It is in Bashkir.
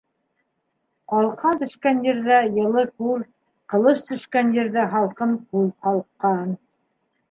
Ҡалҡан төшкән ерҙә - йылы күл, ҡылыс төшкән ерҙә һалҡын күл ҡалҡҡан.